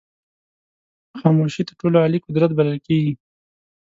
خاموشي تر ټولو عالي قدرت بلل کېږي.